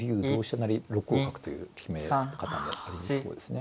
成６五角という決め方もありそうですね。